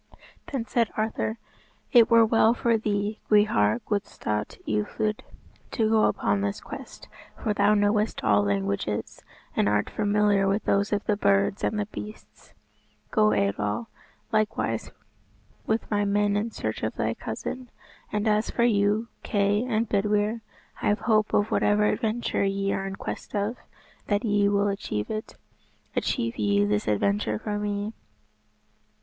Then said Arthur, "It were well for thee, Gwrhyr Gwalstawt Ieithoedd, to go upon this quest, for thou knowest all languages, and art familiar with those of the birds and the beasts. Go, Eidoel, likewise with my men in search of thy cousin. And as for you, Kay and Bedwyr, I have hope of whatever adventure ye are in quest of, that ye will achieve it. Achieve ye this adventure for me."